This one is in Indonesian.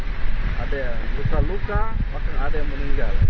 setelah luka masih ada yang meninggal